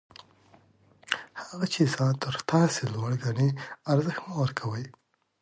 هغه چي ځان تر تاسي لوړ ګڼي، ارزښت مه ورکوئ!